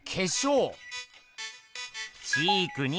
チークに。